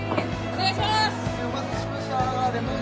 お願いします！